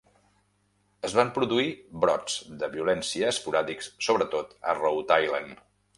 Es van produir brots de violència esporàdics, sobretot a Rhode Island.